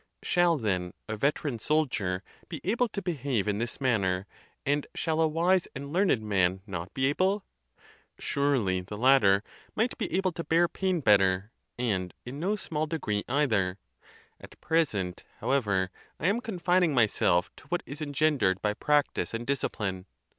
Shall, then, a veteran soldier be able to behave in this manner, and shall a wise and learned man not be able? Surely the latter might be 80 THE TUSCULAN DISPUTATIONS. able to bear pain better, and in no small degree either. At present, however, I am confining myself to what is engen dered by practice and discipline.